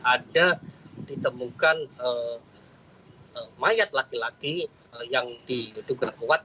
ada ditemukan mayat laki laki yang diduga kuat